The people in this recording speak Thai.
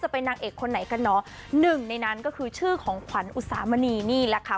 เป็นนางเอกคนไหนกันเนอะหนึ่งในนั้นก็คือชื่อของขวัญอุสามณีนี่แหละค่ะ